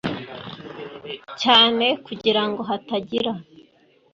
cyane kugira ngo hatagira